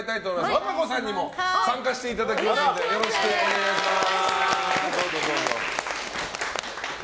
和歌子さんにも参加していただきますのでよろしくお願いします。